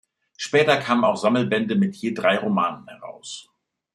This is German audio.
Später kamen auch Sammelbände mit je drei Romanen heraus.